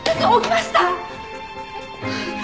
えっ？